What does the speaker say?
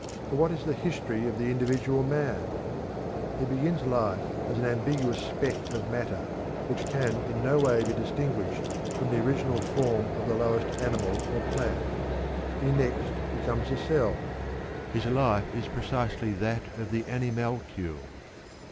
For what is the history of the individual man? He begins life as an ambiguous speck of matter which can in no way be distinguished from the original form of the lowest animal or plant. He next becomes a cell; his life is precisely that of the animalcule.